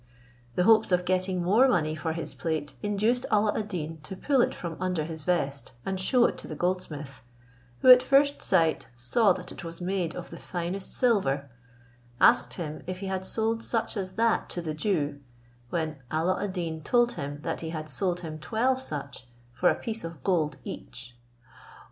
The hopes of getting more money for his plate induced Alla ad Deen to pull it from under his vest, and shew it to the goldsmith, who at first sight saw that it was made of the finest silver, asked him if he had sold such as that to the Jew, when Alla ad Deen told him that he had sold him twelve such, for a piece of gold each.